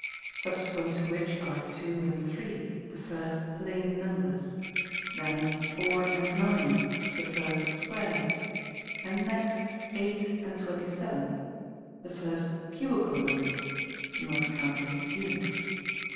Subsequent to which are two and three, the first plane numbers ; then four and nine, the first squares ; and next eight and twenty seven, the first cubical numbers (not counting the unit).